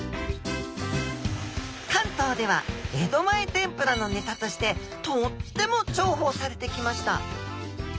関東では江戸前天ぷらのネタとしてとっても重宝されてきました。